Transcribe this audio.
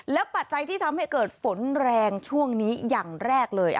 ปัจจัยที่ทำให้เกิดฝนแรงช่วงนี้อย่างแรกเลย